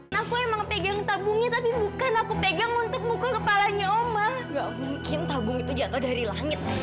sampai jumpa di video selanjutnya